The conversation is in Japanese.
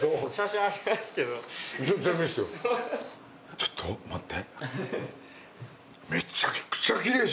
ちょっと待って。